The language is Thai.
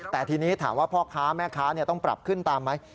แต่ทีนี้ถามว่าพ่อค้าแม่ค้าต้องปรับขึ้นตามไหม